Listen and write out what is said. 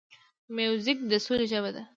موزیک د سولې ژبه ده.